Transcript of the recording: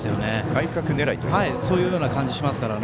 外角狙いという感じがします。